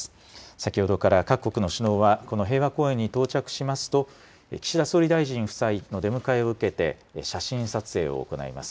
先ほどから各国の首脳はこの平和公園に到着しますと、岸田総理大臣夫妻の出迎えを受けて写真撮影を行います。